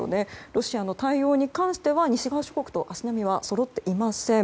ロシアの対応に関しては西側諸国と足並みはそろっていません。